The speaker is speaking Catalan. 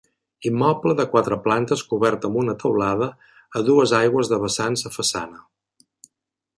Immoble de quatre plantes, cobert amb una teulada a dues aigües de vessants a façana.